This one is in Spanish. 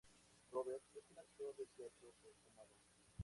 Robert es un actor de teatro consumado.